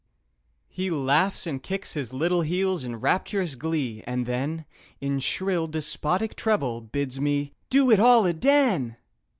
He laughs and kicks his little heels in rapturous glee, and then In shrill, despotic treble bids me "do it all aden!"